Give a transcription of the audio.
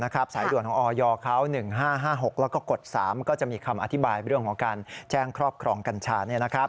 ๑๕๕๖กด๓ก็จะมีคำอธิบายเรื่องของการแจ้งครอบครองกัญชา